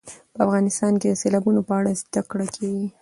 په افغانستان کې د سیلابونو په اړه زده کړه کېږي.